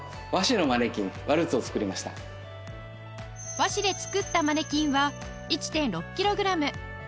和紙で作ったマネキンは １．６ キログラム